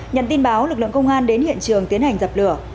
nhận tin báo lực lượng công an đến hiện trường tiến hành dập lửa